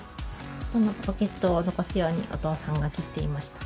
このポケットを残すようにお父さんが切っていました。